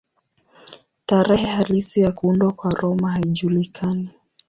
Tarehe halisi ya kuundwa kwa Roma haijulikani.